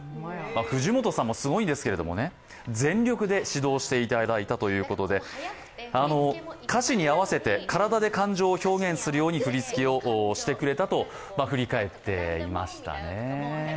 藤本さんもすごいんですけども、全力で指導していただいたということで、歌詞に合わせて体で感情を表現するように振り付けしてくれたと振り返っていましたね。